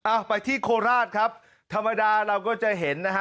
เอาไปที่โคราชครับธรรมดาเราก็จะเห็นนะฮะ